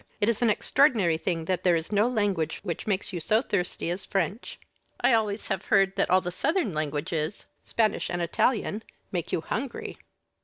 It is an extraordinary thing that there is no language which makes you so thirsty as French. I always have heard that all the southern languages, Spanish and Italian, make you hungry."